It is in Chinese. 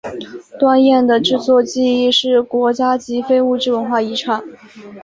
端砚的制作技艺是国家级非物质文化遗产。